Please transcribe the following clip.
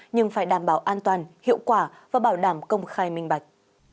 nhưng phải đảm bảo an toàn hiệu quả và bảo đảm công khai minh bạch